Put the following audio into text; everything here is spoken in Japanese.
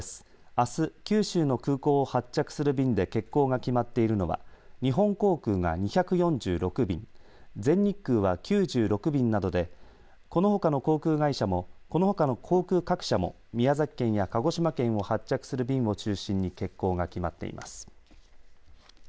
あす、九州の空港を発着する便で欠航が決まっているのは日本航空が２４６便全日空は９６便などでこのほかの航空各社も宮崎県や鹿児島県を発着する便を中心に欠航が決まっています。